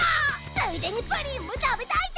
「ついでにプリンも食べたいだ」